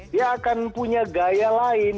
dia akan punya gaya lain